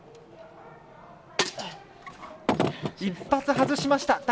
１発外しました。